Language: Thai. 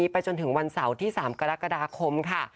ไปจนถึงวันเสาร์ที่๓กรกฎาคมค่ะ